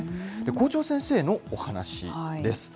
校長先生のお話です。